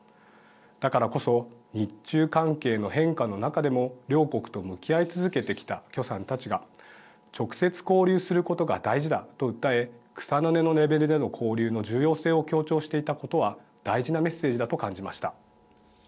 だからこそ日中関係の変化の中でも両国と向き合い続けてきた許さんたちが直接交流することが大事だと訴え草の根のレベルでの交流の重要性を強調していたことは大事なメッセージだと感じました。